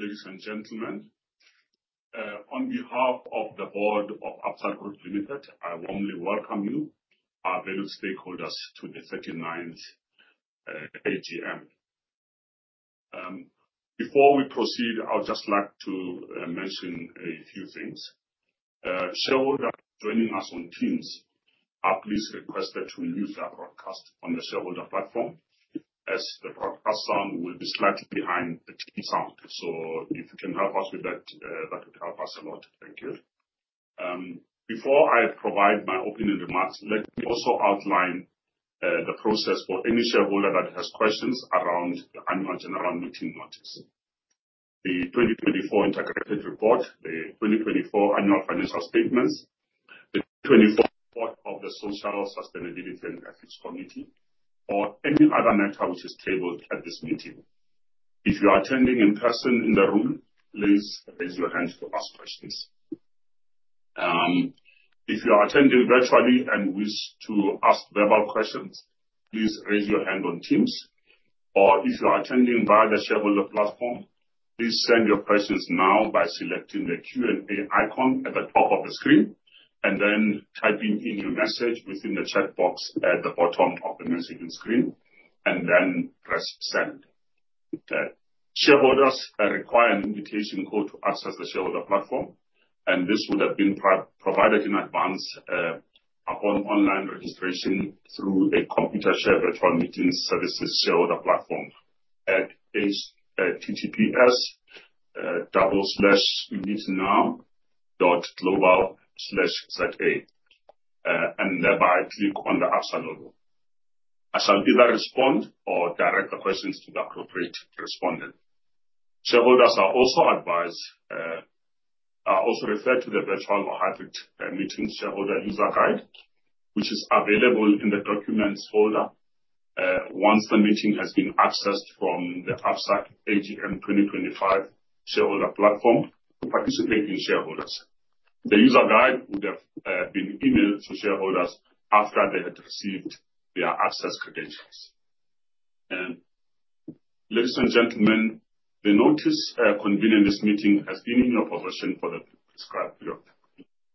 Ladies and gentlemen, on behalf of the board of Absa Group Limited, I warmly welcome you, our valued stakeholders, to the 39th AGM. Before we proceed, I would just like to mention a few things. Shareholders joining us on Teams are please requested to mute their broadcast on the shareholder platform, as the broadcast sound will be slightly behind the Teams sound. If you can help us with that, that would help us a lot. Thank you. Before I provide my opening remarks, let me also outline the process for any shareholder that has questions around the annual general meeting notice, the 2024 integrated report, the 2024 annual financial statements, the 2024 report of the Social Sustainability and Ethics Committee, or any other matter which is tabled at this meeting. If you are attending in person in the room, please raise your hand to ask questions. If you are attending virtually and wish to ask verbal questions, please raise your hand on Teams. If you are attending via the shareholder platform, please send your questions now by selecting the Q&A icon at the top of the screen and then typing in your message within the chat box at the bottom of the messaging screen, and then press send. Shareholders require an invitation code to access the shareholder platform, and this would have been provided in advance upon online registration through a Computershare virtual meeting services shareholder platform at https://meetnow.global/za. Thereby click on the above logo. I shall either respond or direct the questions to the appropriate respondent. Shareholders are also referred to the virtual or hybrid meeting shareholder user guide, which is available in the documents folder once the meeting has been accessed from the Absa AGM 2025 shareholder platform. To participate in shareholders. The user guide would have been emailed to shareholders after they had received their access credentials. Ladies and gentlemen, the notice convening this meeting has been in your possession for the prescribed period.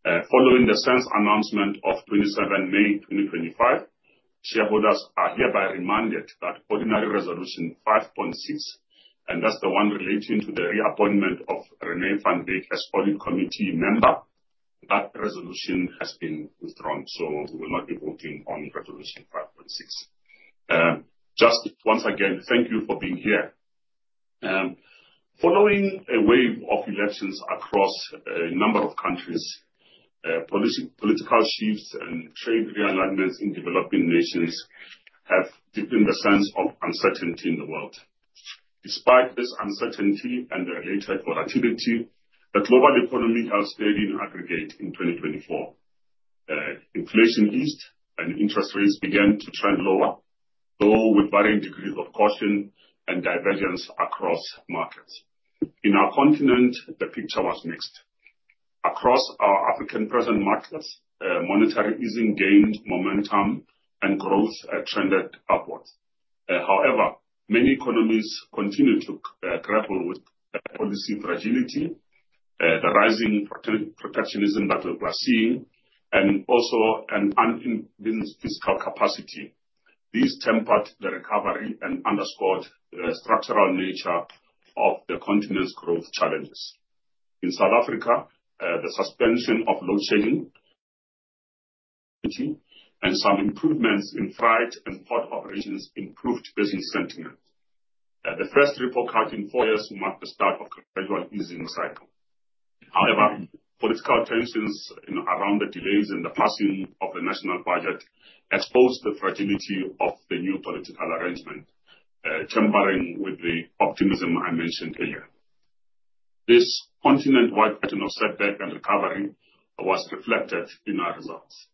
Following the SENS announcement of 27 May 2025, shareholders are hereby reminded that ordinary Resolution 5.6, and that's the one relating to the reappointment of René van Wyk as audit committee member, that resolution has been withdrawn. We will not be voting on Resolution 5.6. Just once again, thank you for being here. Following a wave of elections across a number of countries, political shifts and trade realignments in developing nations have deepened the sense of uncertainty in the world. Despite this uncertainty and the related volatility, the global economy has stayed in aggregate in 2024. Inflation eased and interest rates began to trend lower, though with varying degrees of caution and divergence across markets. In our continent, the picture was mixed. Across our African present markets, monetary easing gained momentum and growth trended upward. However, many economies continue to grapple with policy fragility, the rising protectionism that we were seeing, and also an unconvinced fiscal capacity. These tempered the recovery and underscored the structural nature of the continent's growth challenges. In South Africa, the suspension of load shedding and some improvements in flight and port operations improved business sentiment. The first report cut in four years marked the start of a gradual easing cycle. However, political tensions around the delays in the passing of the national budget exposed the fragility of the new political arrangement, tampering with the optimism I mentioned earlier. This continent-wide pattern of setback and recovery was reflected in our results.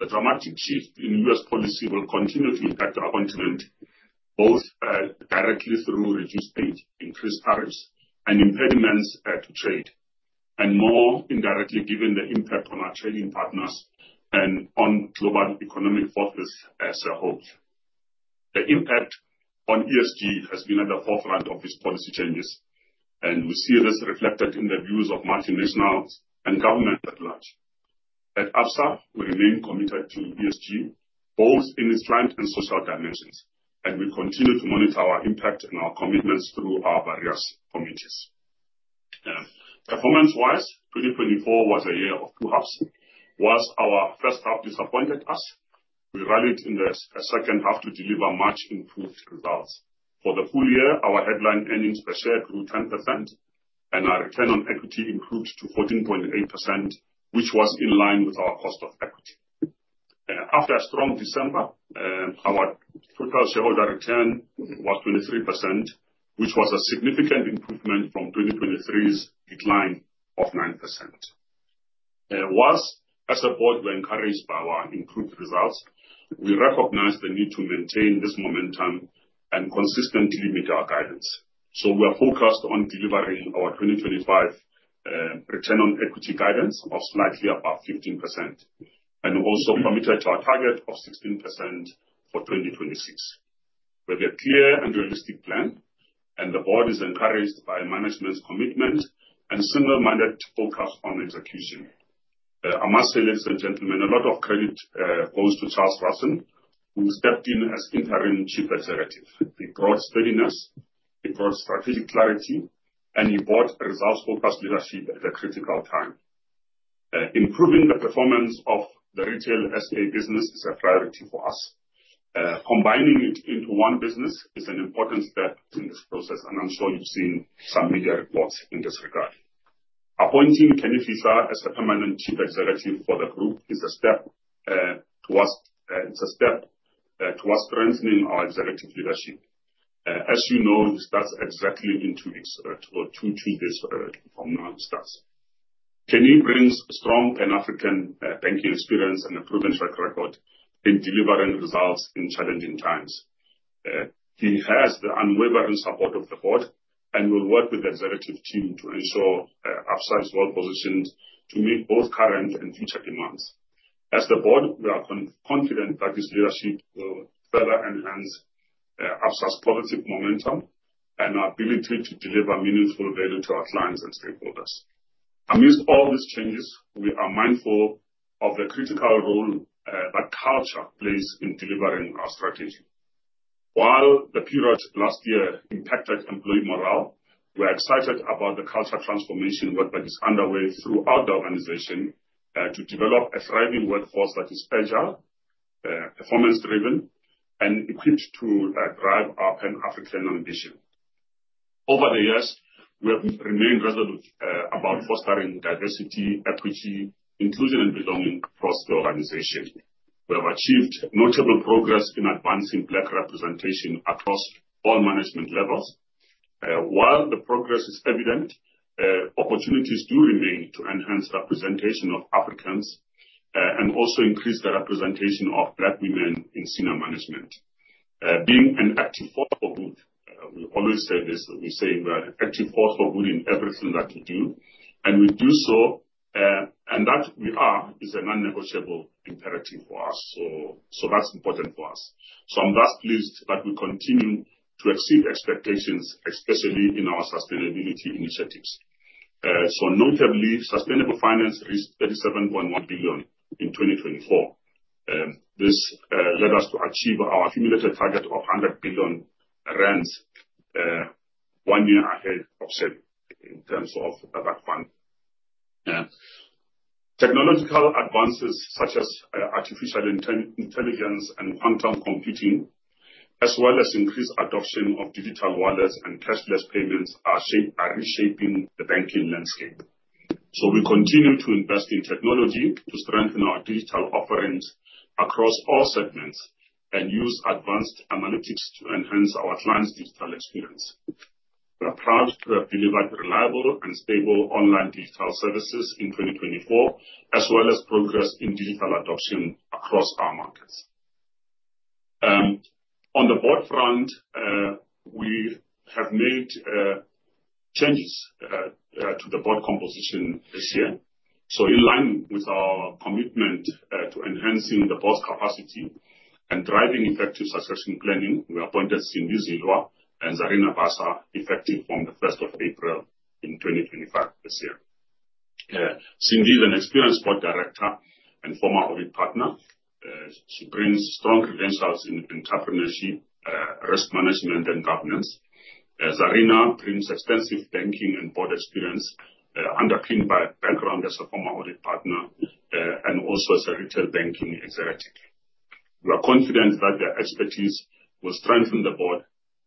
The dramatic shift in U.S. policy will continue to impact our continent, both directly through reduced rates, increased tariffs, and impediments to trade, and more indirectly given the impact on our trading partners and on global economic forces as a whole. The impact on ESG has been at the forefront of these policy changes, and we see this reflected in the views of multinationals and government at large. At Absa, we remain committed to ESG, both in its client and social dimensions, and we continue to monitor our impact and our commitments through our various committees. Performance-wise, 2024 was a year of two halves. Whilst our first half disappointed us, we rallied in the second half to deliver much-improved results. For the full year, our headline earnings per share grew 10%, and our return on equity improved to 14.8%, which was in line with our cost of equity. After a strong December, our total shareholder return was 23%, which was a significant improvement from 2023's decline of 9%. Whilst, as a board, we're encouraged by our improved results, we recognize the need to maintain this momentum and consistently meet our guidance. We are focused on delivering our 2025 return on equity guidance of slightly above 15% and also committed to our target of 16% for 2026. We have a clear and realistic plan, and the board is encouraged by management's commitment and single-minded focus on execution. I must say, ladies and gentlemen, a lot of credit goes to Charles Russon, who stepped in as Interim Chief Executive Officer. He brought steadiness, he brought strategic clarity, and he brought results-focused leadership at a critical time. Improving the performance of the retail SA business is a priority for us. Combining it into one business is an important step in this process, and I'm sure you've seen some media reports in this regard. Appointing Kenny Fihla as the permanent Chief Executive for the group is a step towards strengthening our executive leadership. As you know, he starts exactly in two weeks or two Tuesdays from now he starts. Kenny brings a strong Pan-African banking experience and a proven track record in delivering results in challenging times. He has the unwavering support of the board and will work with the executive team to ensure Absa is well-positioned to meet both current and future demands. As the board, we are confident that his leadership will further enhance Absa's positive momentum and our ability to deliver meaningful value to our clients and stakeholders. Amidst all these changes, we are mindful of the critical role that culture plays in delivering our strategy. While the period last year impacted employee morale, we're excited about the culture transformation work that is underway throughout the organization to develop a thriving workforce that is agile, performance-driven, and equipped to drive our Pan-African ambition. Over the years, we have remained resolute about fostering diversity, equity, inclusion, and belonging across the organization. We have achieved notable progress in advancing Black representation across all management levels. While the progress is evident, opportunities do remain to enhance representation of Africans and also increase the representation of Black women in senior management. Being an active force for good, we always say this. We say we are an active force for good in everything that we do, and we do so, and that we are is a non-negotiable imperative for us. That is important for us. I'm thus pleased that we continue to exceed expectations, especially in our sustainability initiatives. Notably, sustainable finance reached 37.1 billion in 2024. This led us to achieve our accumulated target of 100 billion rand one year ahead of schedule in terms of that fund. Technological advances such as artificial intelligence and quantum computing, as well as increased adoption of digital wallets and cashless payments, are reshaping the banking landscape. We continue to invest in technology to strengthen our digital offerings across all segments and use advanced analytics to enhance our clients' digital experience. We are proud to have delivered reliable and stable online digital services in 2024, as well as progress in digital adoption across our markets. On the board front, we have made changes to the board composition this year. In line with our commitment to enhancing the board's capacity and driving effective succession planning, we appointed Sindi Zilwa and Zarina Bassa effective from the 1st of April in 2025 this year. Sindi is an experienced board director and former audit partner. She brings strong credentials in entrepreneurship, risk management, and governance. Zarina brings extensive banking and board experience, underpinned by a background as a former audit partner and also as a retail banking executive. We are confident that their expertise will strengthen the board,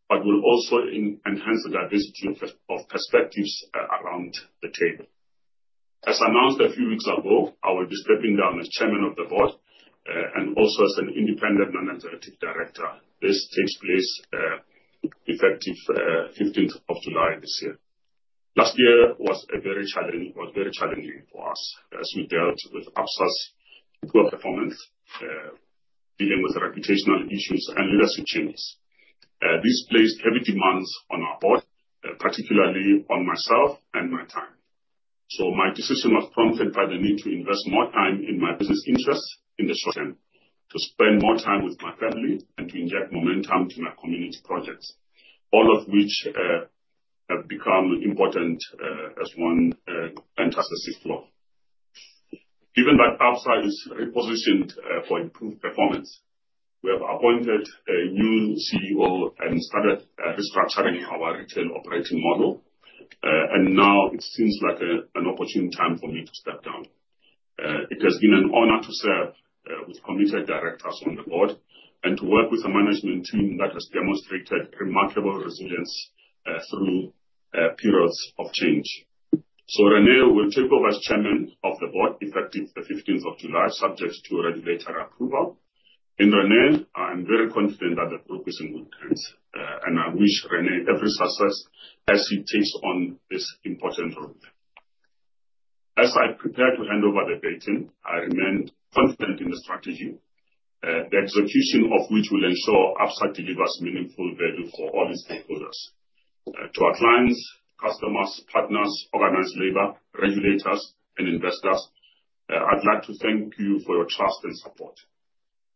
but will also enhance the diversity of perspectives around the table. As announced a few weeks ago, I will be stepping down as Chairman of the board and also as an independent non-executive director. This takes place effective 15th of July this year. Last year was very challenging for us as we dealt with Absa's poor performance, dealing with reputational issues and leadership changes. This placed heavy demands on our board, particularly on myself and my time. My decision was prompted by the need to invest more time in my business interests in the short term to spend more time with my family and to inject momentum to my community projects, all of which have become important as one enters the sixth floor. Given that Absa is repositioned for improved performance, we have appointed a new CEO and started restructuring our retail operating model, and now it seems like an opportune time for me to step down. It has been an honor to serve with committed directors on the board and to work with a management team that has demonstrated remarkable resilience through periods of change. René will take over as Chairman of the board effective the 15th of July, subject to regulatory approval. In René, I am very confident that the group is in good hands, and I wish René every success as she takes on this important role. As I prepare to hand over the greeting, I remain confident in the strategy, the execution of which will ensure Absa delivers meaningful value for all its stakeholders. To our clients, customers, partners, organized labor, regulators, and investors, I'd like to thank you for your trust and support.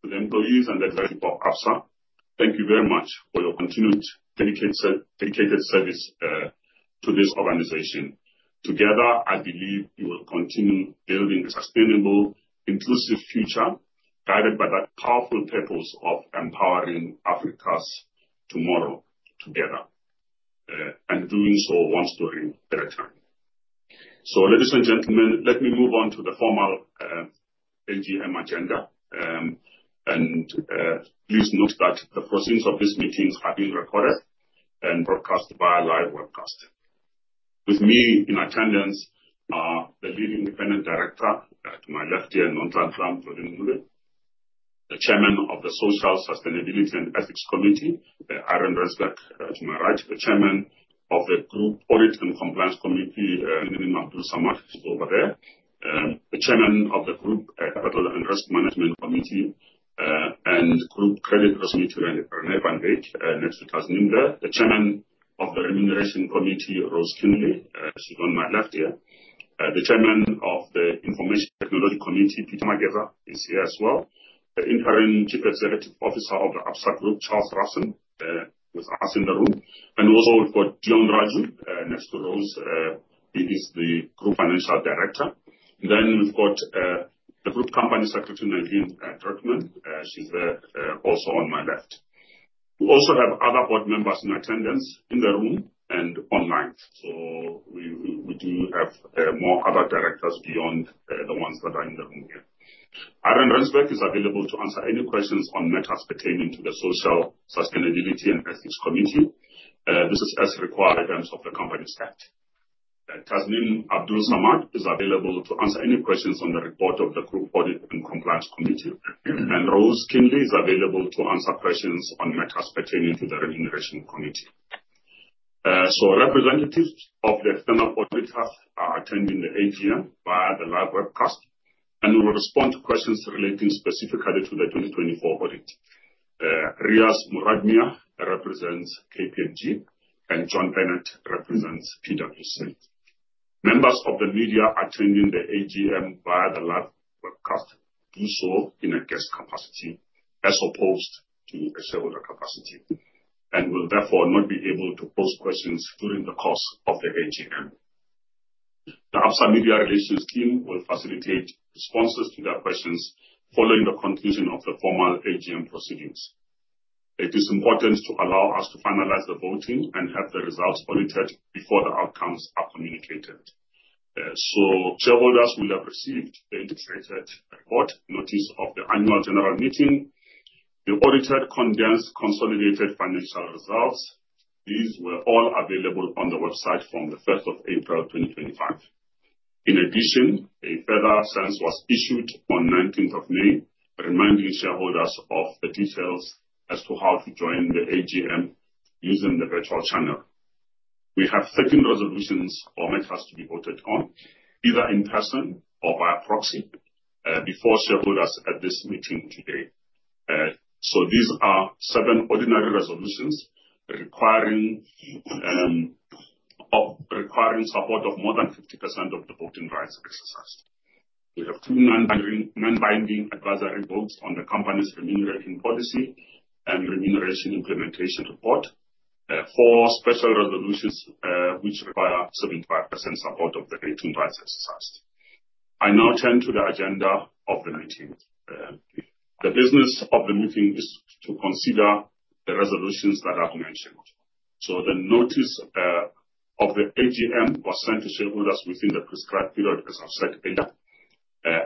To the employees and executive of Absa, thank you very much for your continued dedicated service to this organization. Together, I believe we will continue building a sustainable, inclusive future guided by the powerful purpose of empowering Africa's tomorrow together, and doing so once during better time. Ladies and gentlemen, let me move on to the formal AGM agenda, and please note that the proceedings of this meeting have been recorded and broadcast via live webcast. With me in attendance are the Leading Independent Director to my left here, Nonhlanhla Mjoli-Mncube, the Chairman of the Social Sustainability and Ethics Committee, Ihron Rensburg to my right, the Chairman of the Group Audit and Compliance Committee, Tasneem Abdool-Samad is over there, the Chairman of the Group Capital and Risk Management Committee and Group Credit Committee, René van Wyk, next to Tasneem there, the Chairman of the Remuneration Committee, Rose Keanly, she's on my left here, the Chairman of the Information Technology Committee, Peter Mageza, is here as well, the Interim Chief Executive Officer of the Absa Group, Charles Russon, with us in the room, and we also got Deon Raju, next to Rose, he is the Group Financial Director. Then we've got the Group Company Secretary, Nadine Drutman, she's also on my left. We also have other board members in attendance in the room and online. We do have more other directors beyond the ones that are in the room here. Ihron Rensburg is available to answer any questions on matters pertaining to the Social Sustainability and Ethics Committee. This is as required in terms of the company's state. Tasneem Abdool-Samad is available to answer any questions on the report of the Group Audit and Compliance Committee, and Rose Keanly is available to answer questions on matters pertaining to the Remuneration Committee. Representatives of the external auditors are attending the AGM via the live webcast, and we will respond to questions relating specifically to the 2024 audit. Riaz Muradmia represents KPMG, and John Bennett represents PwC. Members of the media attending the AGM via the live webcast do so in a guest capacity as opposed to a shareholder capacity, and will therefore not be able to post questions during the course of the AGM. The Absa Media Relations Team will facilitate responses to their questions following the conclusion of the formal AGM proceedings. It is important to allow us to finalize the voting and have the results audited before the outcomes are communicated. Shareholders will have received the indicated report, notice of the annual general meeting, the audited condensed consolidated financial results. These were all available on the website from 1st of April 2025. In addition, a further SENS was issued on 19th May, reminding shareholders of the details as to how to join the AGM using the virtual channel. We have 13 resolutions for matters to be voted on, either in person or via proxy before shareholders at this meeting today. These are seven ordinary resolutions requiring support of more than 50% of the voting rights exercised. We have two non-binding advisory votes on the company's remuneration policy and remuneration implementation report, four special resolutions which require 75% support of the voting rights exercised. I now turn to the agenda of the meeting. The business of the meeting is to consider the resolutions that are to be mentioned. The notice of the AGM was sent to shareholders within the prescribed period as I have said earlier,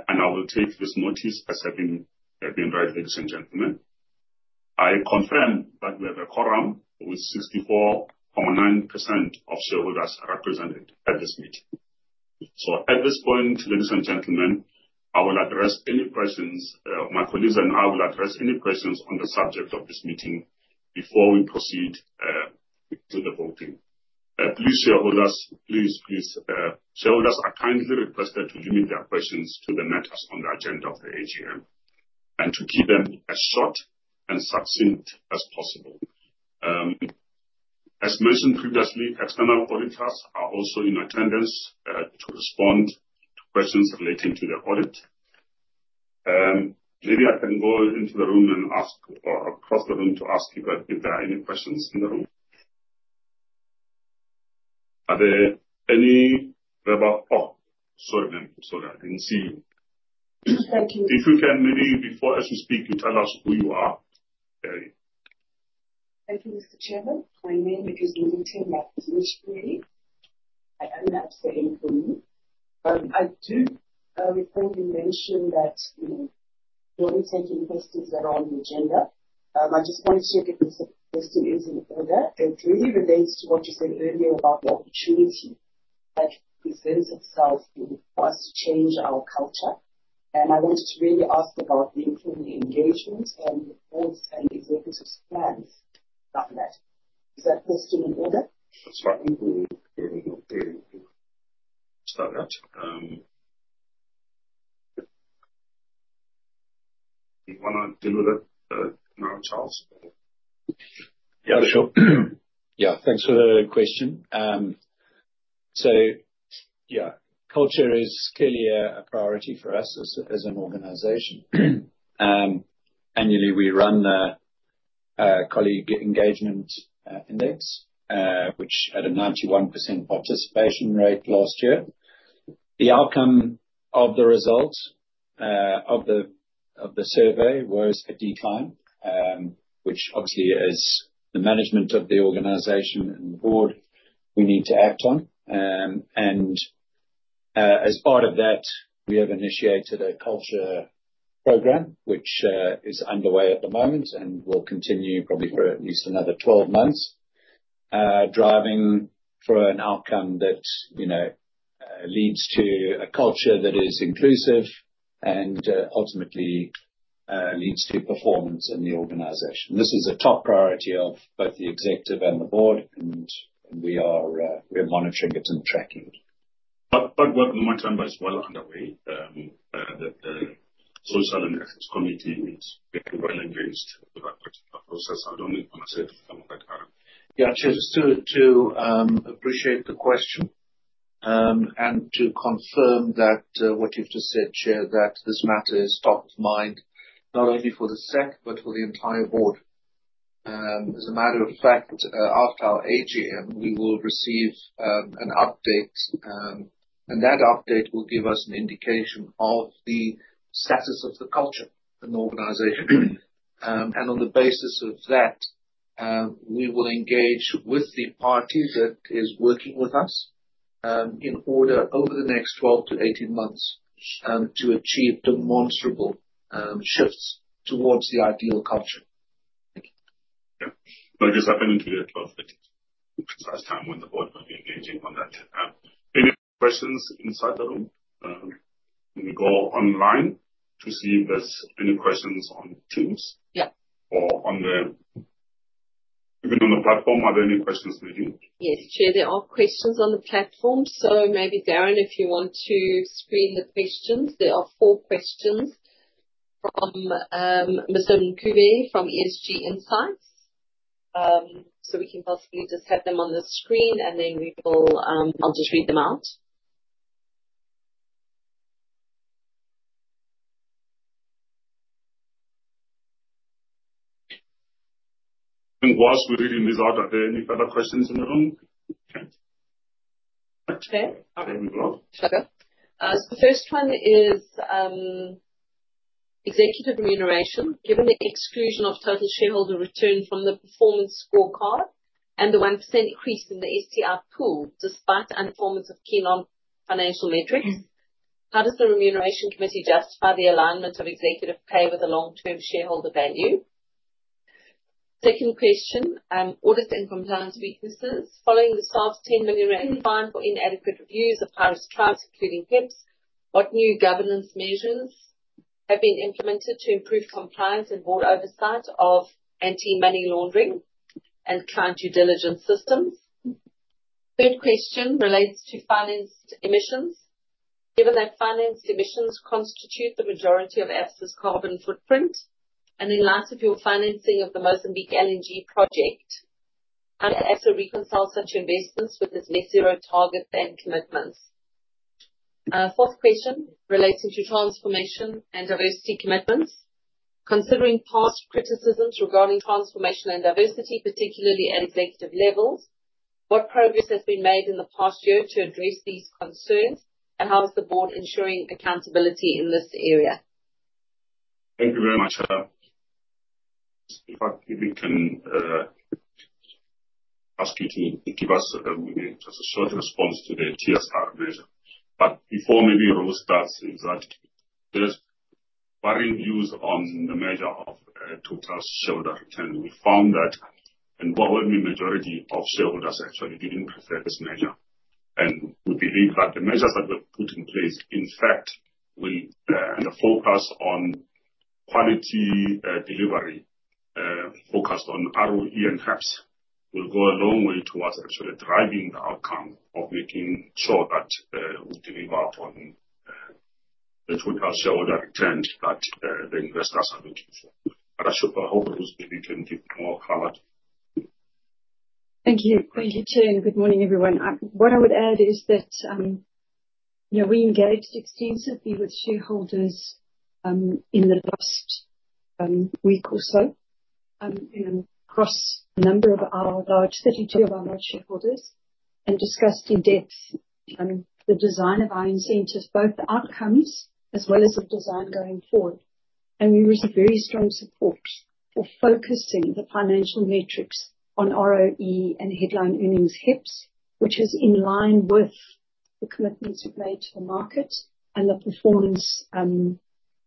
and I will take this notice as having been read, ladies and gentlemen. I confirm that we have a quorum with 64.9% of shareholders represented at this meeting. At this point, ladies and gentlemen, I will address any questions. My colleagues and I will address any questions on the subject of this meeting before we proceed to the voting. Please, shareholders, please, please. Shareholders are kindly requested to limit their questions to the matters on the agenda of the AGM and to keep them as short and succinct as possible. As mentioned previously, external auditors are also in attendance to respond to questions relating to the audit. Maybe I can go into the room and ask or across the room to ask if there are any questions in the room. Are there any? Sorry, ma'am. Sorry, I didn't see you. Thank you. If you can, maybe before she speaks, you tell us who you are. Thank you, Mr. Chairman. My name is Nomathemba Dzinotyiwei. I am the Absa Group. I do recall you mentioned that you're only taking questions that are on the agenda. I just wanted to check if the question is in order. It really relates to what you said earlier about the opportunity that presents itself for us to change our culture. I wanted to really ask about the employee engagement and reports and executive plans. Is that question in order? Do you want to deal with it now, Charles? Yeah, sure. Yeah. Thanks for the question. Culture is clearly a priority for us as an organization. Annually, we run a colleague engagement index, which had a 91% participation rate last year. The outcome of the results of the survey was a decline, which obviously as the management of the organization and the board we need to act on. As part of that, we have initiated a culture program, which is underway at the moment and will continue probably for at least another 12 months, driving for an outcome that leads to a culture that is inclusive and ultimately leads to performance in the organization. This is a top priority of both the executive and the board, and we are monitoring it and tracking it. Work on the my time is well underway. The Social Sustainability and Ethics Committee is getting well engaged with our critical process. I do not think I am safe to come back around. Yeah, Chair, just to appreciate the question and to confirm what you have just said, Chair, that this matter is top of mind, not only for the SEC, but for the entire board. As a matter of fact, after our AGM, we will receive an update, and that update will give us an indication of the status of the culture in the organization. On the basis of that, we will engage with the party that is working with us in order over the next 12-18 months to achieve demonstrable shifts towards the ideal culture. Thank you. Yeah. I just happened to be at 12:30 P.M., so it is time when the board will be engaging on that. Any questions inside the room? Can we go online to see if there are any questions on Teams or on the platform? Are there any questions maybe? Yes, Chair, there are questions on the platform. Maybe Darren, if you want to screen the questions. There are four questions from Mr. Mncube from ESG Insights. We can possibly just have them on the screen, and then I'll just read them out. Whilst we're reading these out, are there any further questions in the room? Okay. The first one is executive remuneration. Given the exclusion of total shareholder return from the performance scorecard and the 1% increase in the STI pool despite the performance of key non-financial metrics, how does the Remuneration Committee justify the alignment of executive pay with long-term shareholder value? Second question, audit and compliance weaknesses. Following the SARB 10 million rand refund for inadequate reviews of high-risk clients, including PEPs, what new governance measures have been implemented to improve compliance and board oversight of anti-money laundering and current due diligence systems? Third question relates to financed emissions. Given that financed emissions constitute the majority of Absa's carbon footprint, and then lastly, if your financing of the Mozambique LNG project, how do Absa reconcile such investments with its net zero targets and commitments? Fourth question relates to transformation and diversity commitments. Considering past criticisms regarding transformation and diversity, particularly at executive levels, what progress has been made in the past year to address these concerns, and how is the board ensuring accountability in this area? Thank you very much. If we can ask you to give us a short response to the TSR measure. Maybe before your role starts, is that there's varying views on the measure of total shareholder return. We found that an overwhelming majority of shareholders actually didn't prefer this measure. We believe that the measures that were put in place, in fact, will. The focus on quality delivery, focused on ROE and PEPs, will go a long way towards actually driving the outcome of making sure that we deliver upon the total shareholder returns that the investors are looking for. I hope Rose can give more color. Thank you. Thank you, Chair. Good morning, everyone. What I would add is that we engaged extensively with shareholders in the last week or so across a number of our large, 32 of our large shareholders, and discussed in depth the design of our incentives, both the outcomes as well as the design going forward. We received very strong support for focusing the financial metrics on ROE and headline earnings PEPs, which is in line with the commitments we have made to the market and the performance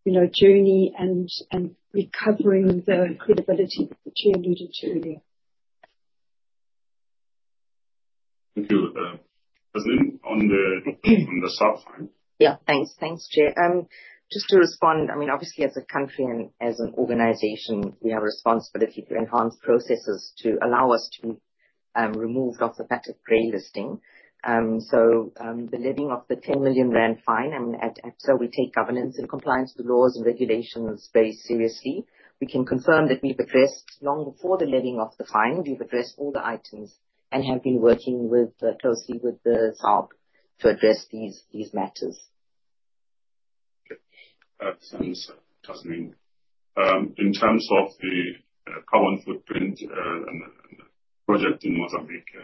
journey and recovering the credibility that you alluded to earlier. Thank you. Tasneem, on the SARB, right? Yeah. Thanks. Thanks, Chair. Just to respond, I mean, obviously, as a country and as an organization, we have a responsibility to enhance processes to allow us to be removed off the patent pre-listing. So the levying of the 10 million rand fine. I mean, at Absa, we take governance and compliance with laws and regulations very seriously. We can confirm that we have addressed long before the levying of the fine, we have addressed all the items and have been working closely with the SARB to address these matters. Okay. That sounds Tasneem. In terms of the carbon footprint and the project in Mozambique, you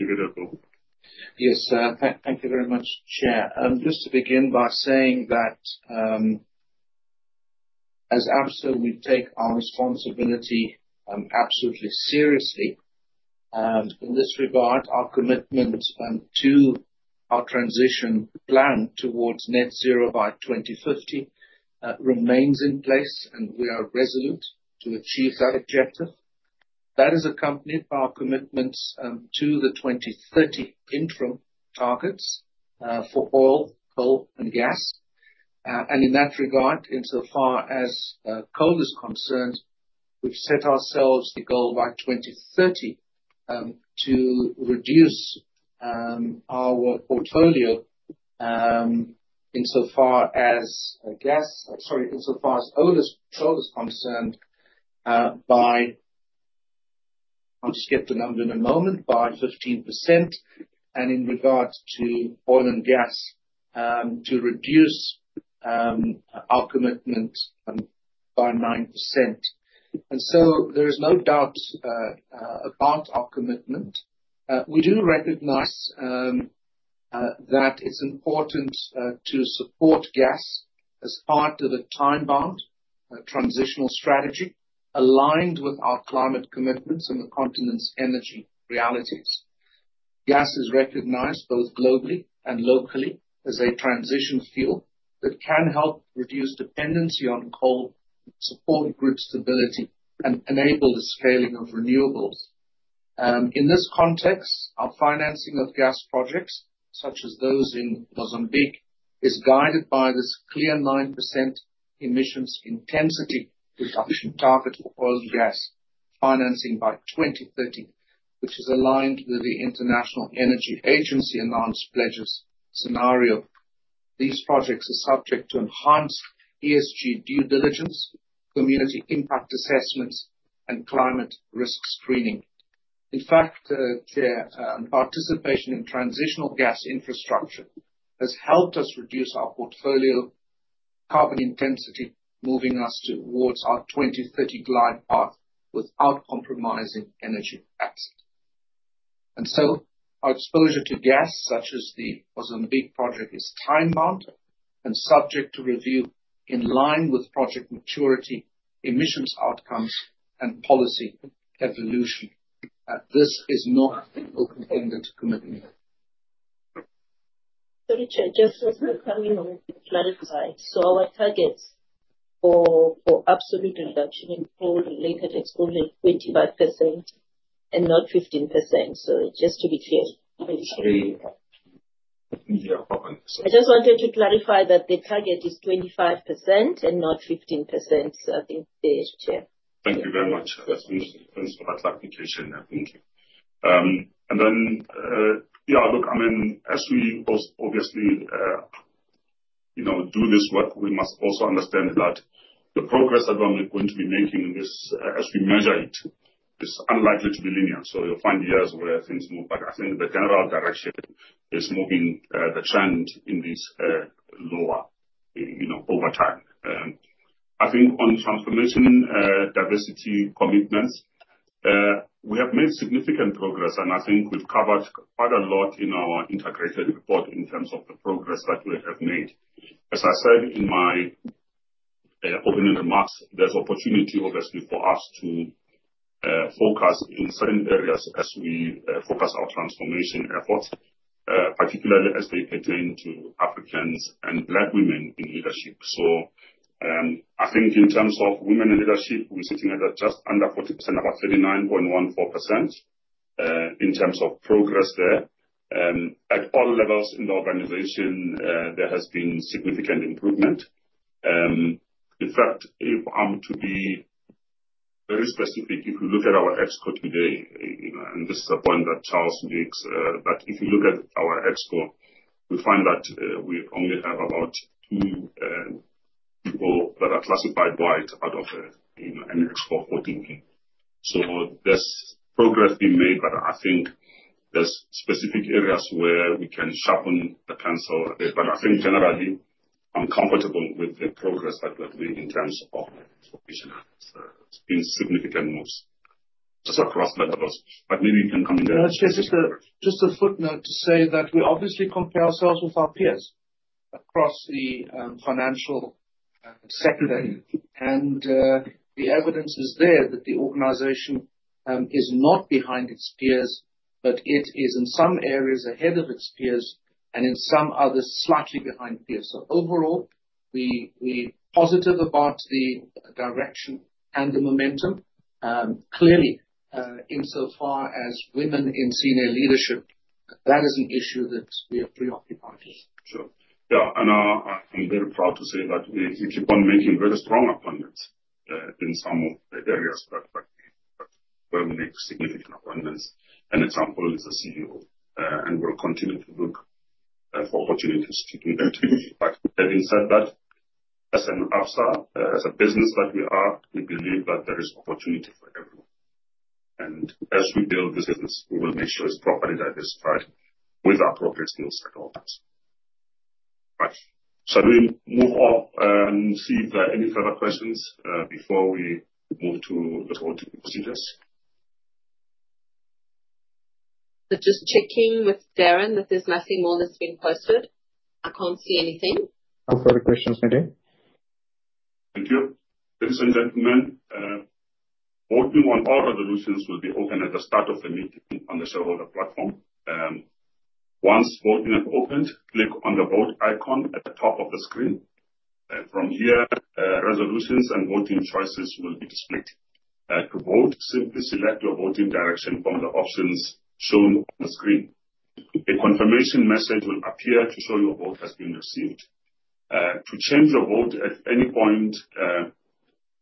are good to go. Yes. Thank you very much, Chair. Just to begin by saying that as Absa, we take our responsibility absolutely seriously. In this regard, our commitment to our transition plan towards net zero by 2050 remains in place, and we are resolute to achieve that objective. That is accompanied by our commitments to the 2030 interim targets for oil, coal, and gas. In that regard, insofar as coal is concerned, we've set ourselves the goal by 2030 to reduce our portfolio. Insofar as oil is concerned, by—I'll just get the number in a moment—by 15%. In regards to oil and gas, to reduce our commitment by 9%. There is no doubt about our commitment. We do recognize that it's important to support gas as part of a time-bound transitional strategy aligned with our climate commitments and the continent's energy realities. Gas is recognized both globally and locally as a transition fuel that can help reduce dependency on coal, support grid stability, and enable the scaling of renewables. In this context, our financing of gas projects, such as those in Mozambique, is guided by this clear 9% emissions intensity reduction target for oil and gas financing by 2030, which is aligned with the International Energy Agency announced pledges scenario. These projects are subject to enhanced ESG due diligence, community impact assessments, and climate risk screening. In fact, Chair, participation in transitional gas infrastructure has helped us reduce our portfolio carbon intensity, moving us towards our 2030 glide path without compromising energy access. Our exposure to gas, such as the Mozambique project, is time-bound and subject to review in line with project maturity, emissions outcomes, and policy evolution. This is not a contender to commitment. Sorry, Chair, just as we're coming on, clarify. Our targets for absolute reduction in coal-related exposure is 25% and not 15%. Just to be clear, I just wanted to clarify that the target is 25% and not 15%. Chair, thank you very much. That's understood. Thanks for that clarification. Thank you. Yeah, look, I mean, as we obviously do this work, we must also understand that the progress that we're going to be making in this, as we measure it, is unlikely to be linear. You'll find years where things move back. I think the general direction is moving the trend in this lower over time. I think on transformation diversity commitments, we have made significant progress, and I think we've covered quite a lot in our integrated report in terms of the progress that we have made. As I said in my opening remarks, there's opportunity, obviously, for us to focus in certain areas as we focus our transformation efforts, particularly as they pertain to Africans and Black women in leadership. I think in terms of women in leadership, we're sitting at just under 40%, about 39.14% in terms of progress there. At all levels in the organization, there has been significant improvement. In fact, if I'm to be very specific, if you look at our Exco today, and this is a point that Charles makes, that if you look at our Exco, we find that we only have about two people that are classified white out of an Exco 14P. There's progress being made, I think there's specific areas where we can sharpen the pencil. I think generally, I'm comfortable with the progress that we're making in terms of information. It's been significant moves just across the levels. Maybe you can come in there. Just a footnote to say that we obviously compare ourselves with our peers across the financial sector. The evidence is there that the organization is not behind its peers, but it is in some areas ahead of its peers and in some others slightly behind peers. Overall, we're positive about the direction and the momentum. Clearly, insofar as women in senior leadership, that is an issue that we are preoccupied with. Sure. Yeah. I'm very proud to say that we keep on making very strong appointments in some of the areas that will make significant appointments. An example is the CEO, and we'll continue to look for opportunities to do that. Having said that, as an Absa, as a business that we are, we believe that there is opportunity for everyone. As we build this business, we will make sure it is properly diversified with appropriate skill set of that. Right. Shall we move off and see if there are any further questions before we move to the road to procedures? Just checking with Darren that there is nothing more that has been posted. I cannot see anything. No further questions today. Thank you. Ladies and gentlemen, voting on all resolutions will be open at the start of the meeting on the shareholder platform. Once voting has opened, click on the vote icon at the top of the screen. From here, resolutions and voting choices will be displayed. To vote, simply select your voting direction from the options shown on the screen. A confirmation message will appear to show your vote has been received. To change your vote at any point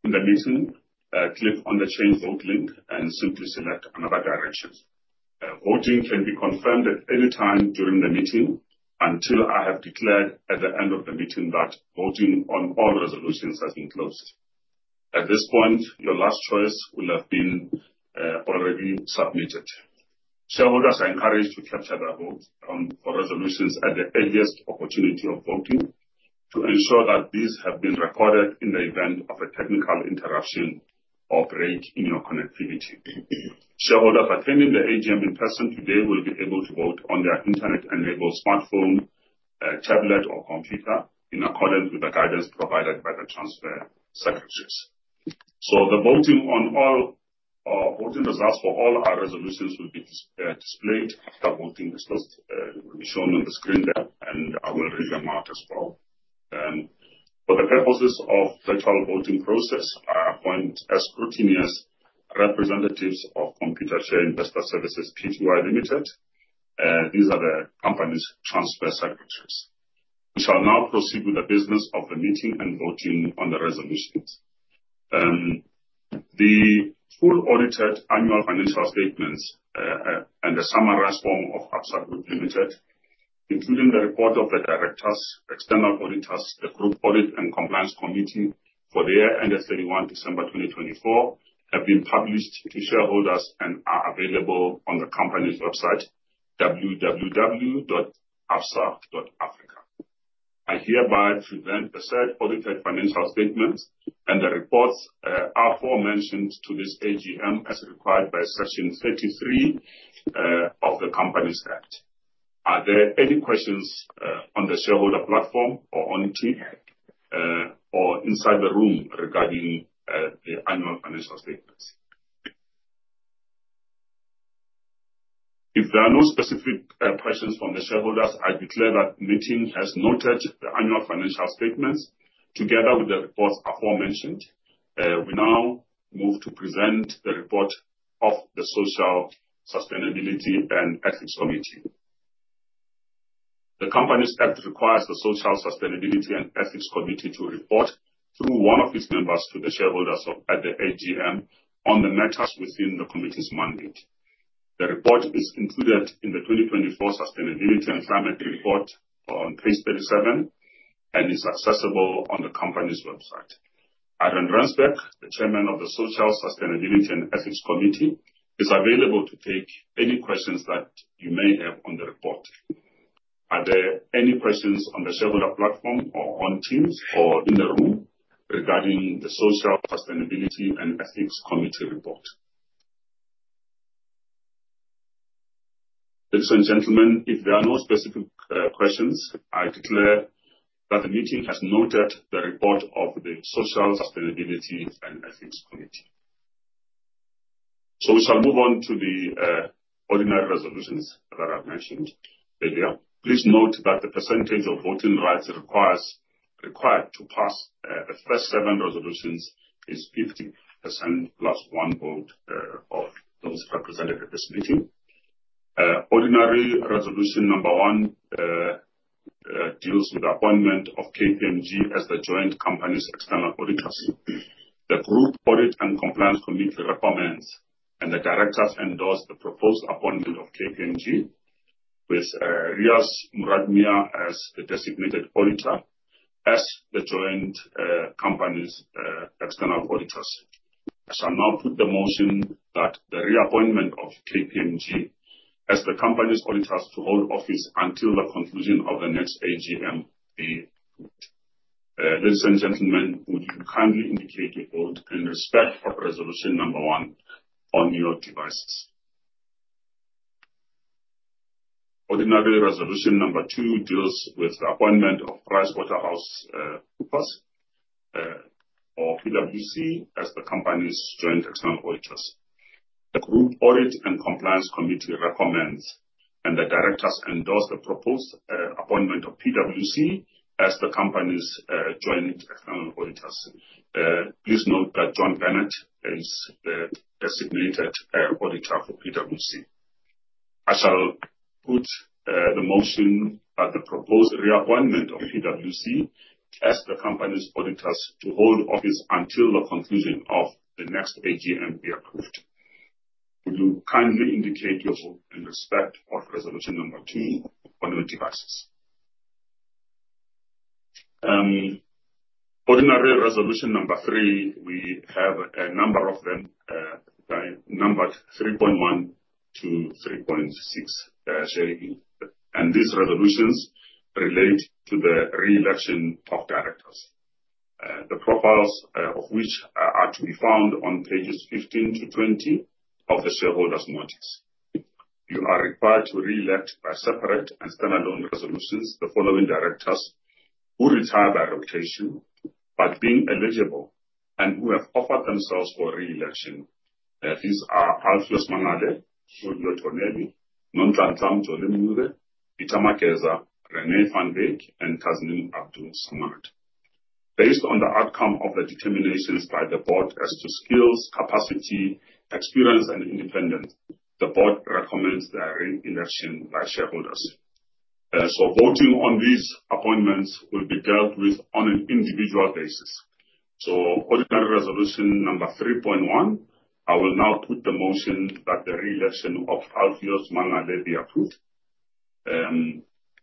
in the meeting, click on the change vote link and simply select another direction. Voting can be confirmed at any time during the meeting until I have declared at the end of the meeting that voting on all resolutions has been closed. At this point, your last choice will have been already submitted. Shareholders are encouraged to capture their vote for resolutions at the earliest opportunity of voting to ensure that these have been recorded in the event of a technical interruption or break in your connectivity. Shareholders attending the AGM in person today will be able to vote on their internet-enabled smartphone, tablet, or computer in accordance with the guidance provided by the transfer secretaries. The voting results for all our resolutions will be displayed. The voting results will be shown on the screen there, and I will read them out as well. For the purposes of the virtual voting process, I appoint as scrutinous representatives of Computershare Investor Services Pty Limited. These are the company's transfer secretaries. We shall now proceed with the business of the meeting and voting on the resolutions. The full audited annual financial statements and the summarized form of Absa Group Limited, including the report of the directors, external auditors, the group audit, and compliance committee for the year ended 31 December 2024, have been published to shareholders and are available on the company's website, www.absa.africa. I hereby present the said audited financial statements and the reports aforementioned to this AGM as required by Section 33 of the Companies Act. Are there any questions on the shareholder platform or on Teams or inside the room regarding the annual financial statements? If there are no specific questions from the shareholders, I declare that the meeting has noted the annual financial statements together with the reports aforementioned. We now move to present the report of the Social Sustainability and Ethics Committee. The Companies Act requires the Social Sustainability and Ethics Committee to report through one of its members to the shareholders at the AGM on the matters within the committee's mandate. The report is included in the 2024 Sustainability and Climate Report on page 37 and is accessible on the company's website. Ihron Rensburg, the Chairman of the Social Sustainability and Ethics Committee, is available to take any questions that you may have on the report. Are there any questions on the shareholder platform or on Teams or in the room regarding the Social Sustainability and Ethics Committee report? Ladies and gentlemen, if there are no specific questions, I declare that the meeting has noted the report of the Social Sustainability and Ethics Committee. We shall move on to the ordinary resolutions that I've mentioned earlier. Please note that the percentage of voting rights required to pass the first seven resolutions is 50% +1 vote of those represented at this meeting. Ordinary Resolution number one deals with the appointment of KPMG as the joint company's external auditors. The Group Audit and Compliance Committee recommends and the directors endorse the proposed appointment of KPMG with Riaz Muradmia as the designated auditor as the joint company's external auditors. I shall now put the motion that the reappointment of KPMG as the company's auditors to hold office until the conclusion of the next AGM be approved. Ladies and gentlemen, would you kindly indicate your vote in respect of Resolution number one on your devices? Ordinary Resolution number two deals with the appointment of PriceWaterhouseCoopers or PwC as the company's joint external auditors. The Group Audit and Compliance Committee recommends and the directors endorse the proposed appointment of PwC as the company's joint external auditors. Please note that John Bennett is the designated auditor for PwC. I shall put the motion that the proposed reappointment of PwC as the company's auditors to hold office until the conclusion of the next AGM be approved. Would you kindly indicate your vote in respect of Resolution number two on your devices? Ordinary Resolution number three, we have a number of them, numbered 3.1 to 3.6, sharing you. These resolutions relate to the reelection of directors, the profiles of which are to be found on pages 15 to 20 of the shareholders' notice. You are required to reelect by separate and stand-alone resolutions the following directors who retire by rotation but being eligible and who have offered themselves for reelection. These are Alpheus Mangale, Fulvio Tonelli, Nonhlanhla Mjoli-Mncube, Peter Makeza, René van Wyk, and Tasneem Abdool-Samad. Based on the outcome of the determinations by the board as to skills, capacity, experience, and independence, the board recommends their reelection by shareholders. Voting on these appointments will be dealt with on an individual basis. Ordinary Resolution number 3.1, I will now put the motion that the reelection of Alpheus Mangale be approved.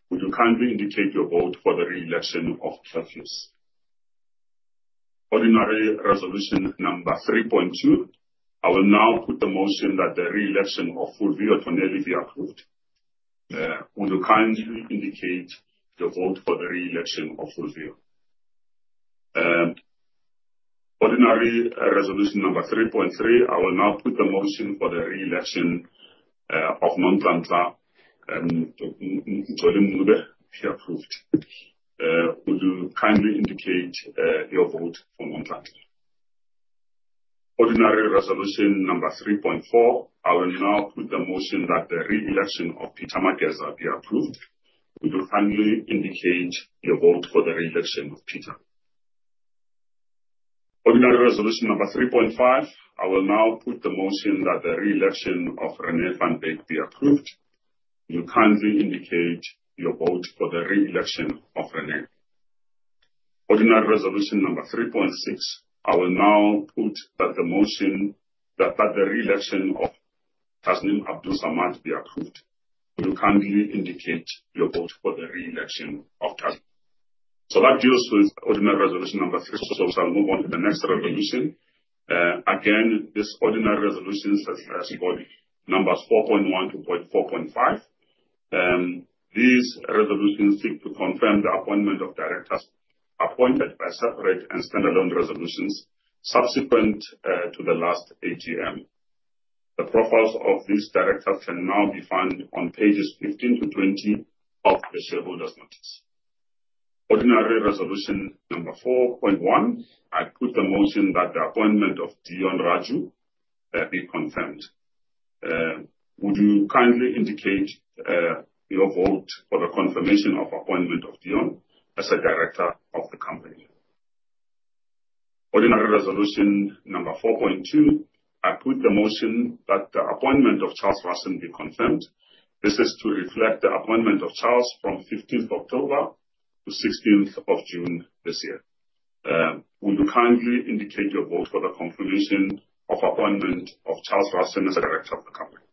Would you kindly indicate your vote for the reelection of Alpheus? Ordinary Resolution number 3.2, I will now put the motion that the reelection of Fulvio Tonelli be approved. Would you kindly indicate your vote for the reelection of Fulvio? Resolution number 3.3, I will now put the motion for the reelection of Nonhlanhla Mjoli-Mncube be approved. Would you kindly indicate your vote for Nonhlanhla? Ordinary Resolution number 3.4, I will now put the motion that the reelection of Peter Mageza be approved. Would you kindly indicate your vote for the reelection of Peter? Resolution number 3.5, I will now put the motion that the reelection of René van Wyk be approved. Would you kindly indicate your vote for the reelection of René? Ordinary Resolution number 3.6, I will now put the motion that the reelection of Tasneem Abdool-Samad be approved. Would you kindly indicate your vote for the reelection of Tasneem? That deals with ordinary resolution number. Shall move on to the next resolution. Again, this ordinary resolution is as follows. Numbers 4.1 to 4.5. These resolutions seek to confirm the appointment of directors appointed by separate and stand-alone resolutions subsequent to the last AGM. The profiles of these directors can now be found on pages 15 to 20 of the shareholders' notice. Resolution number 4.1, I put the motion that the appointment of Deon Raju be confirmed. Would you kindly indicate your vote for the confirmation of appointment of Deon as a director of the company? Resolution number 4.2, I put the motion that the appointment of Charles Russon be confirmed. This is to reflect the appointment of Charles from 15th October to 16th of June this year. Would you kindly indicate your vote for the confirmation of appointment of Charles Russon as a director of the company?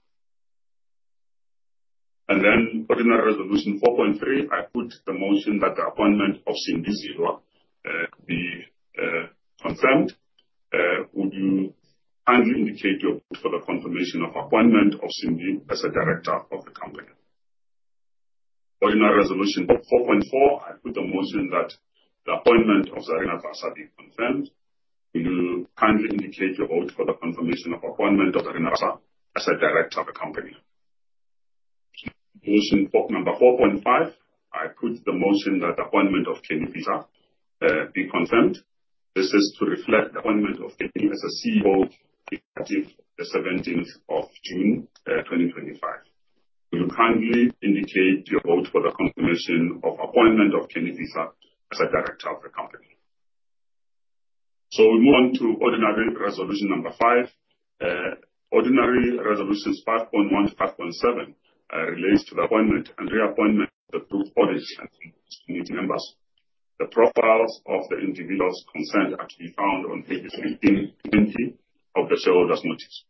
Ordinary Resolution 4.3, I put the motion that the appointment of Sindi Zilwa be confirmed. Would you kindly indicate your vote for the confirmation of appointment of Sindi as a director of the company? Ordinary Resolution 4.4, I put the motion that the appointment of Zarina Bassa be confirmed. Would you kindly indicate your vote for the confirmation of appointment of Zarina Bassa as a director of the company? Motion number 4.5, I put the motion that the appointment of Kenny Fihla be confirmed. This is to reflect the appointment of Kenny as CEO dated the 17th of June 2025. Would you kindly indicate your vote for the confirmation of appointment of Kenny Fihla as a director of the company? We move on to Resolution number five. Ordinary Resolutions 5.1 to 5.7 relate to the appointment and reappointment of the group audit and compliance committee members. The profiles of the individuals concerned are to be found on pages 15 to 20 of the shareholders' notice.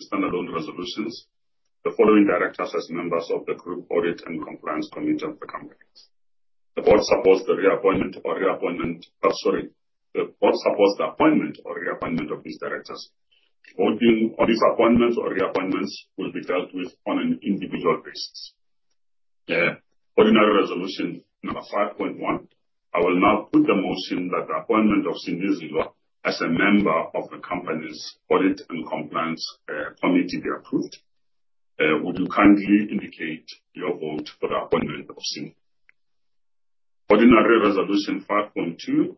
Stand-alone resolutions. The following directors as members of the group audit and compliance committee of the company. The board supports the appointment or reappointment of these directors. Voting on these appointments or reappointments will be dealt with on an individual basis. Resolution number 5.1, I will now put the motion that the appointment of Sindi Zilwa as a member of the company's audit and compliance committee be approved. Would you kindly indicate your vote for the appointment of Sindi? Ordinary Resolution 5.2,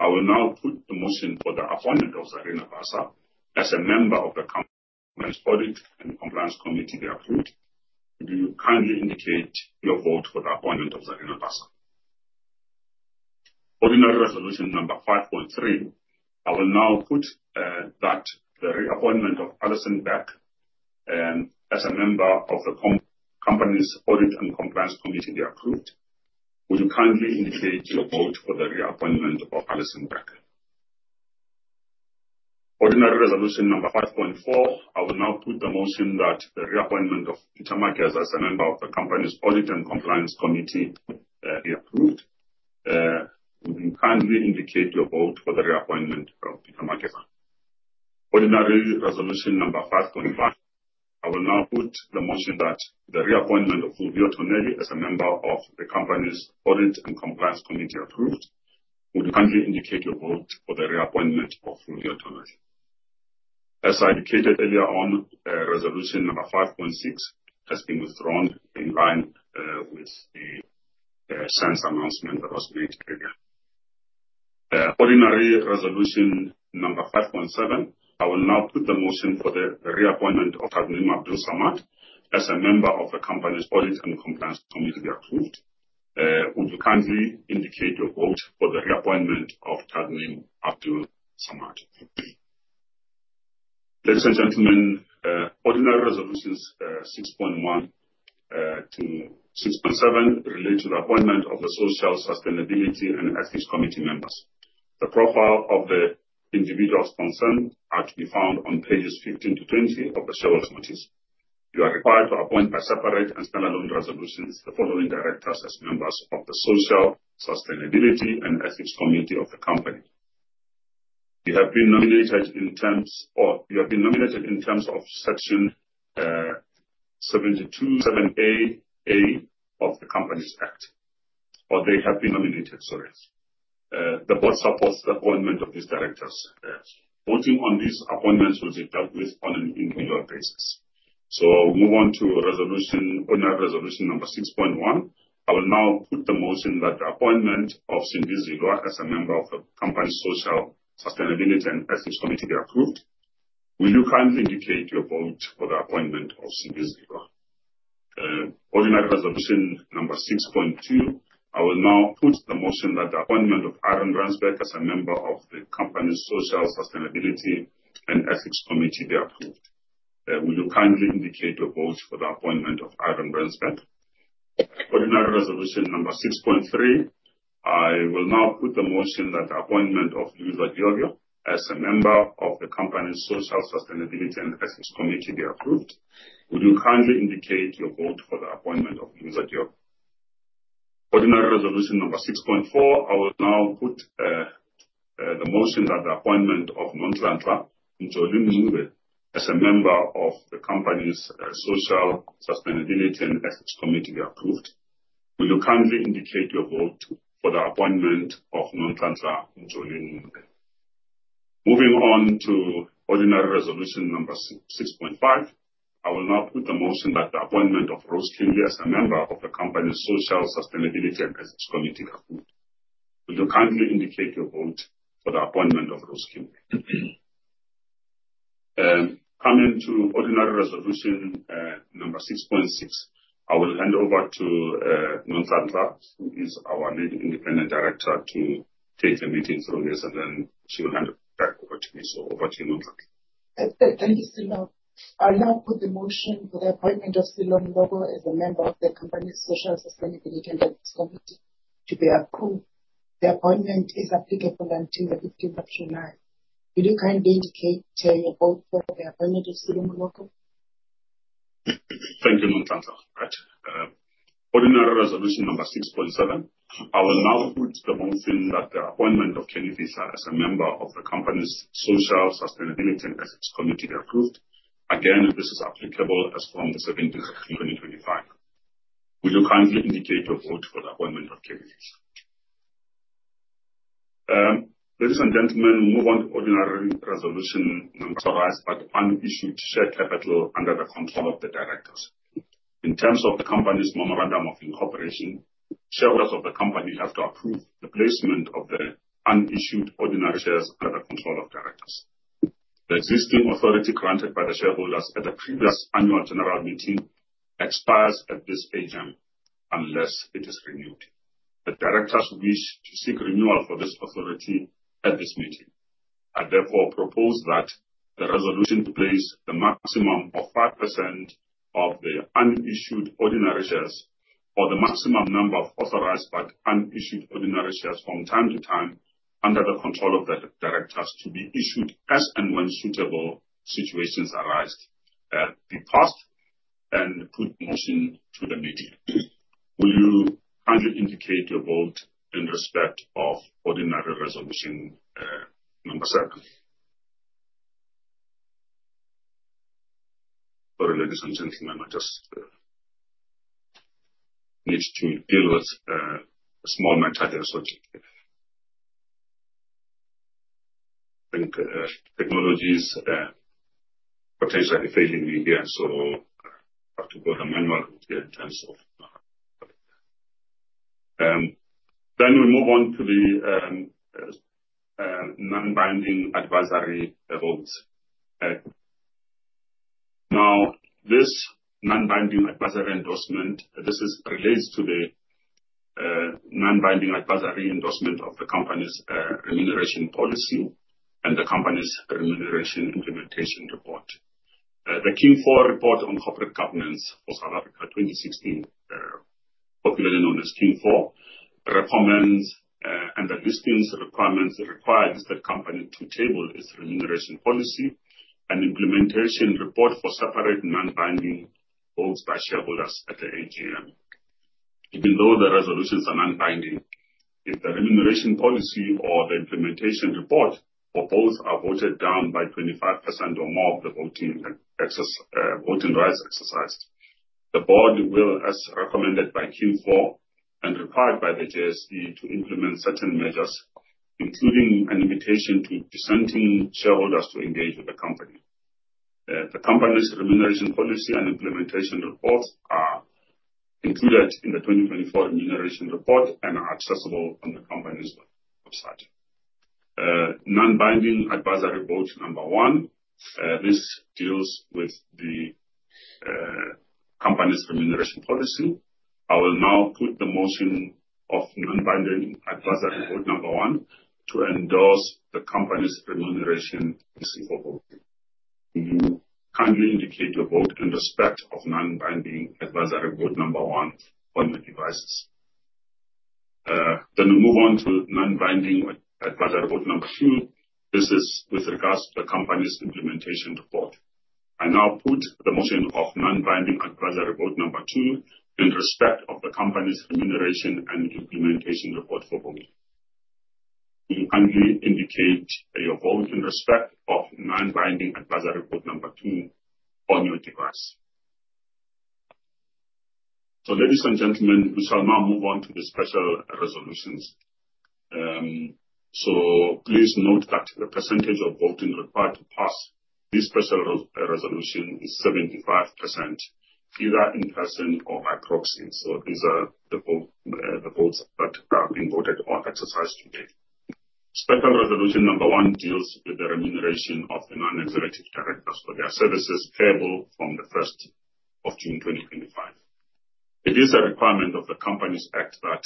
I will now put the motion for the appointment of Zarina Bassa as a member of the company's audit and compliance committee be approved. Would you kindly indicate your vote for the appointment of Zarina Bassa? Resolution number 5.3, I will now put that the reappointment of Alison Beck as a member of the company's audit and compliance committee be approved. Would you kindly indicate your vote for the reappointment of Alison Beck? Resolution number 5.4, I will now put the motion that the reappointment of Peter Mageza as a member of the company's audit and compliance committee be approved. Would you kindly indicate your vote for the reappointment of Peter Mageza? Resolution number 5.1, I will now put the motion that the reappointment of Fulvio Tonelli as a member of the company's audit and compliance committee be approved. Would you kindly indicate your vote for the reappointment of Fulvio Tonelli? As I indicated earlier Resolution number 5.6 has been withdrawn in line with the SENS announcement that was made earlier. Resolution number 5.7, I will now put the motion for the reappointment of Tasneem Abdool-Samad as a member of the company's audit and compliance committee be approved. Would you kindly indicate your vote for the reappointment of Tasneem Abdool-Samad? Ladies and gentlemen, ordinary Resolutions 6.1 to 6.7 relate to the appointment of the Social Sustainability and Ethics Committee members. The profile of the individuals concerned are to be found on pages 15 to 20 of the shareholders' notice. You are required to appoint by separate and stand-alone resolutions the following directors as members of the Social Sustainability and Ethics Committee of the company. You have been nominated in terms of Section 72 7AA of the Companies Act. Or they have been nominated, sorry. The board supports the appointment of these directors. Voting on these appointments will be dealt with on an individual basis. We move on to Resolution number 6.1. I will now put the motion that the appointment of Sindi Zilwa as a member of the company's Social Sustainability and Ethics Committee be approved. Will you kindly indicate your vote for the appointment of Sindi Zilwa? Resolution number 6.2, I will now put the motion that the appointment of Ihron Rensburg as a member of the company's Social Sustainability and Ethics Committee be approved. Will you kindly indicate your vote for the appointment of Ihron Rensburg? Resolution number 6.3, I will now put the motion that the appointment of Luisa Diogo as a member of the company's Social Sustainability and Ethics Committee be approved. Would you kindly indicate your vote for the appointment of Luisa Diogo? Resolution number 6.4, I will now put the motion that the appointment of Nonhlanhla Mjoli-Mncube as a member of the company's Social Sustainability and Ethics Committee be approved. Will you kindly indicate your vote for the appointment of Nonhlanhla Mjoli-Mncube? Moving on to Resolution number 6.5, I will now put the motion that the appointment of Rose Keanly as a member of the company's Social Sustainability and Ethics Committee be approved. Would you kindly indicate your vote for the appointment of Rose Keanly? Coming to Resolution number 6.6, I will hand over to Nonhlanhla Mjoli-Mncube, who is our independent director, to take the meeting through this, and then she will hand it back over to me. Over to you, Nonhlanhla. Thank you, Sello. I will now put the motion for the appointment of Nonhlanhla Mjoli-Mncube as a member of the company's Social Sustainability and Ethics Committee to be approved. The appointment is applicable until the 15th of July. Would you kindly indicate your vote for the appointment of Nonhlanhla Mjoli-Mncube? Thank you, Nonhlanhla. Resolution number 6.7. I will now put the motion that the appointment of Kenny Fihla as a member of the company's Social Sustainability and Ethics Committee be approved. Again, this is applicable as from the 17th of 2025. Would you kindly indicate your vote for the appointment of Kenny Fihla? Ladies and gentlemen, we move on to resolution number. Authorized by the unissued share capital under the control of the directors. In terms of the company's memorandum of incorporation, shareholders of the company have to approve the placement of the unissued ordinary shares under the control of directors. The existing authority granted by the shareholders at the previous annual general meeting expires at this AGM unless it is renewed. The directors wish to seek renewal for this authority at this meeting. I therefore propose that the resolution place the maximum of 5% of the unissued ordinary shares or the maximum number of authorized but unissued ordinary shares from time to time under the control of the directors to be issued as and when suitable situations arise. Be passed and put motion to the meeting. Will you kindly indicate your vote in respect of Resolution number seven? Sorry, ladies and gentlemen, I just need to deal with a small mentality as well. I think technology is potentially failing me here, so I have to go the manual route here in terms of. Now we move on to the non-binding advisory votes. Now, this non-binding advisory endorsement, this relates to the non-binding advisory endorsement of the company's remuneration policy and the company's remuneration implementation report. The King IV report on corporate governance for South Africa 2016, popularly known as King IV, recommends and the listings requirements require the company to table its remuneration policy and implementation report for separate non-binding votes by shareholders at the AGM. Even though the resolutions are non-binding, if the remuneration policy or the implementation report for both are voted down by 25% or more of the voting rights exercised, the board will, as recommended by King IV and required by the JSE, implement certain measures, including an invitation to dissenting shareholders to engage with the company. The company's remuneration policy and implementation reports are included in the 2024 remuneration report and are accessible on the company's website. Non-binding advisory vote number one, this deals with the company's remuneration policy. I will now put the motion of non-binding advisory vote number one to endorse the company's remuneration policy for voting. Will you kindly indicate your vote in respect of non-binding advisory vote number one on the devices? We move on to non-binding advisory vote number two. This is with regards to the company's implementation report. I now put the motion of non-binding advisory vote number two in respect of the company's remuneration and implementation report for voting. Will you kindly indicate your vote in respect of non-binding advisory vote number two on your device? Ladies and gentlemen, we shall now move on to the special resolutions. Please note that the percentage of voting required to pass this special resolution is 75%, either in person or by proxy. These are the votes that have been voted or exercised today. Resolution number one deals with the remuneration of the non-executive directors for their services payable from the 1st of June 2025. It is a requirement of the Companies Act that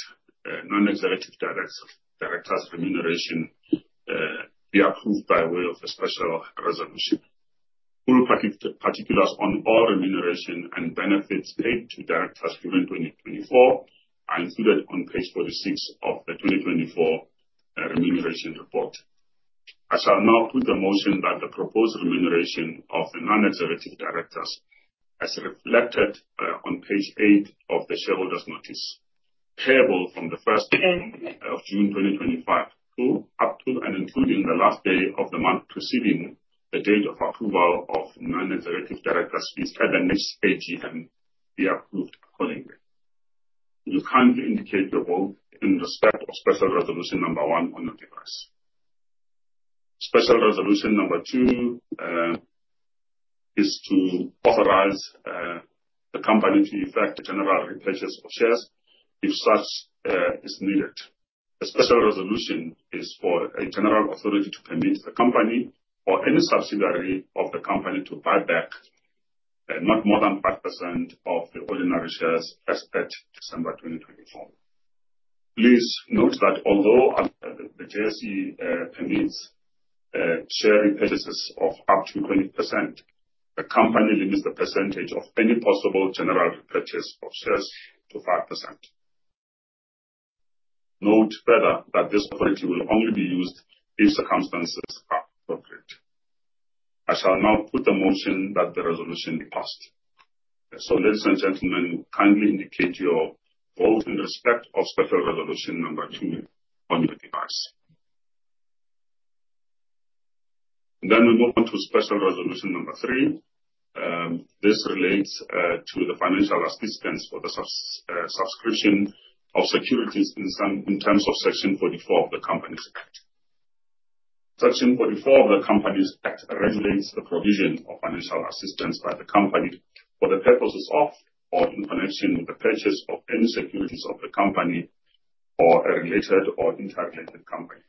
non-executive directors' remuneration be approved by way of a special resolution. All particulars on all remuneration and benefits paid to directors given 2024 are included on page 46 of the 2024 remuneration report. I shall now put the motion that the proposed remuneration of the non-executive directors, as reflected on page eight of the shareholders' notice, payable from the 1st of June 2025, up to and including the last day of the month preceding the date of approval of non-executive directors' fees at the next AGM, be approved accordingly. Will you kindly indicate your vote in respect of Resolution number one on your device? Resolution number two is to authorize the company to effect general repurchase of shares if such is needed. The special resolution is for a general authority to permit the company or any subsidiary of the company to buy back not more than 5% of the ordinary shares as at December 2024. Please note that although the JSE permits share repurchases of up to 20%, the company limits the percentage of any possible general repurchase of shares to 5%. Note further that this authority will only be used if circumstances are appropriate. I shall now put the motion that the resolution be passed. Ladies and gentlemen, kindly indicate your vote in respect of Resolution number two on your device. We move on to Resolution number three. This relates to the financial assistance for the subscription of securities in terms of Section 44 of the Companies Act. Section 44 of the Companies Act regulates the provision of financial assistance by the company for the purposes of or in connection with the purchase of any securities of the company or a related or interrelated company.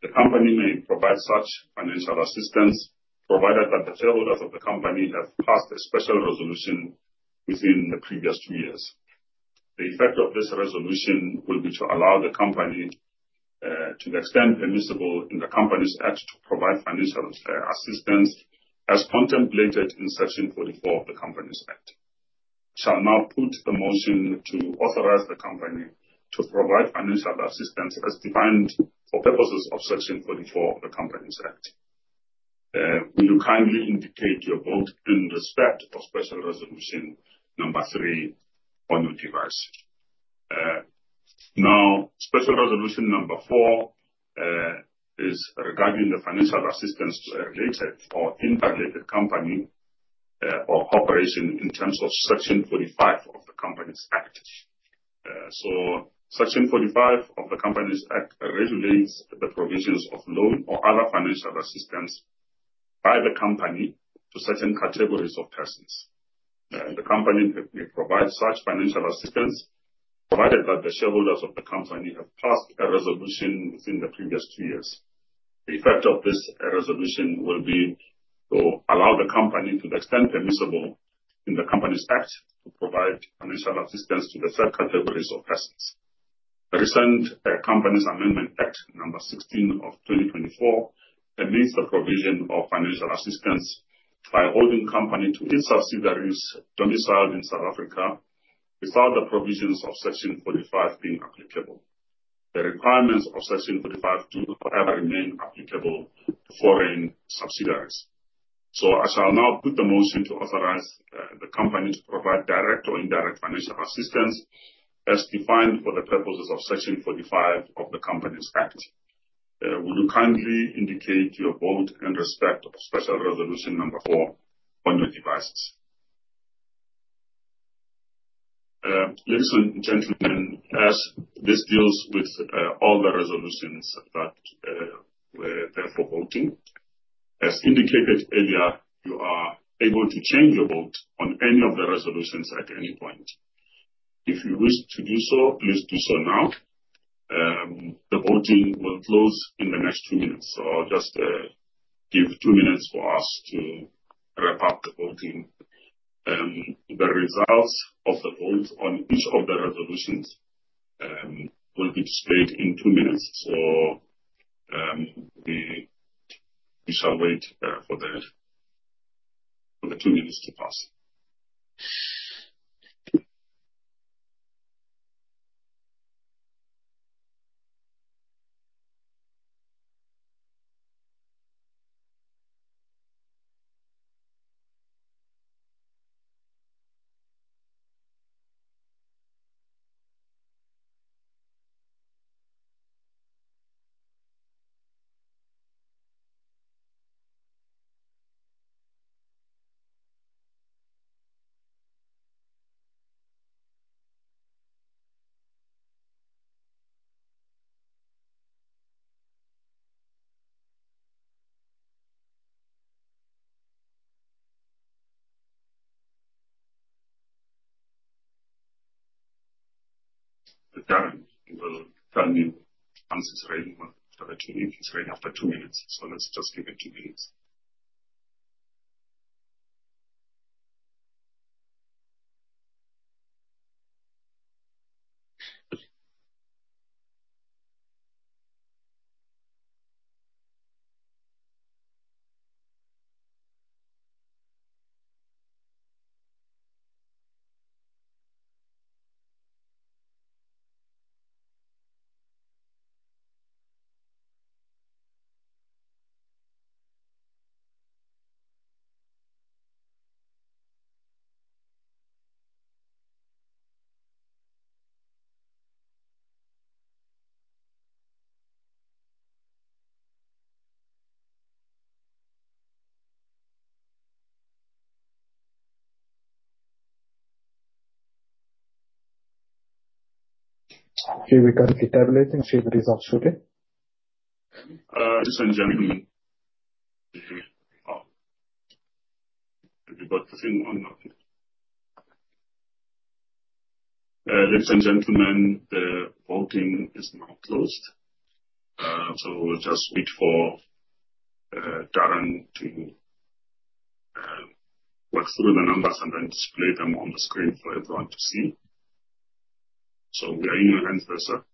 The company may provide such financial assistance provided that the shareholders of the company have passed a special resolution within the previous two years. The effect of this resolution will be to allow the company to the extent permissible in the Companies Act to provide financial assistance as contemplated in Section 44 of the Companies Act. I shall now put the motion to authorize the company to provide financial assistance as defined for purposes of Section 44 of the Companies Act. Will you kindly indicate your vote in respect of Resolution number three on your device? Now, Resolution number four is regarding the financial assistance to a related or interrelated company or corporation in terms of Section 45 of the Companies Act. Section 45 of the Companies Act regulates the provisions of loan or other financial assistance by the company to certain categories of persons. The company may provide such financial assistance provided that the shareholders of the company have passed a resolution within the previous two years. The effect of this resolution will be to allow the company to the extent permissible in the Companies Act to provide financial assistance to the subcategories of persons. The recent Companies Amendment Act number 16 of 2024 permits the provision of financial assistance by holding company to its subsidiaries domiciled in South Africa without the provisions of Section 45 being applicable. The requirements of Section 45 do, however, remain applicable to foreign subsidiaries. I shall now put the motion to authorize the company to provide direct or indirect financial assistance as defined for the purposes of Section 45 of the Companies Act. Will you kindly indicate your vote in respect of Special Resolution number four on your devices? Ladies and gentlemen, as this deals with all the resolutions that we're therefore voting, as indicated earlier, you are able to change your vote on any of the resolutions at any point. If you wish to do so, please do so now. The voting will close in the next two minutes. I'll just give two minutes for us to wrap up the voting. The results of the vote on each of the resolutions will be displayed in two minutes. We shall wait for the two minutes to pass. Will you kindly? It is raining. I'm sorry. It's raining after two minutes. Let's just give it two minutes. Here we go. If you tabulate and see the results shortly. Ladies and gentlemen, did you get the thing on? Ladies and gentlemen, the voting is now closed. We'll just wait for Darren to work through the numbers and then display them on the screen for everyone to see. We are in your hands there, sir.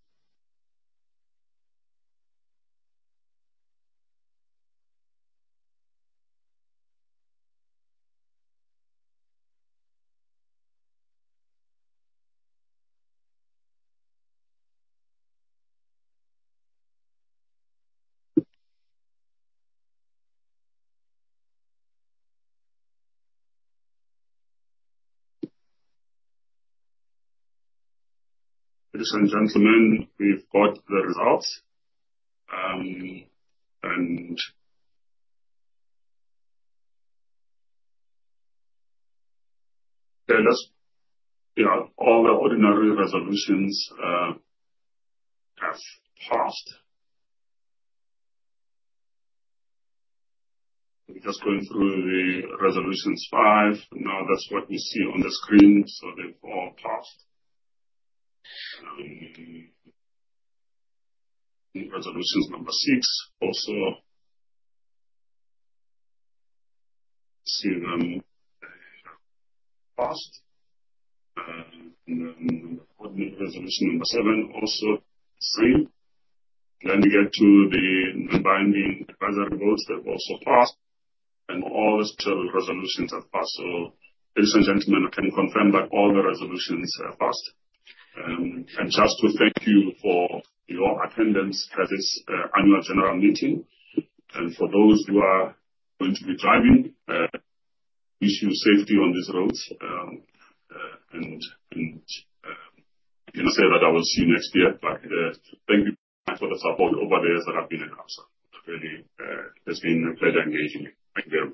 Ladies and gentlemen, we have the results. Yeah, all the ordinary resolutions have passed. We are just going through resolution five now. That is what we see on the screen. They have all passed. Resolution number six also, see them passed. Resolution number seven, also the same. We get to the non-binding advisory votes. They have also passed. All the special resolutions have passed. Ladies and gentlemen, I can confirm that all the resolutions have passed. Thank you for your attendance at this annual general meeting. For those who are going to be driving, wish you safety on these roads. I will see you next year. Thank you for the support over the years that I've been in. It has been a pleasure engaging you. Thank you very much.